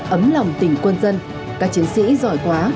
ấm lòng tỉnh quân dân các chiến sĩ giỏi quá